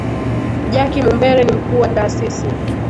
jacky mumbere ni mkuu wa taasisi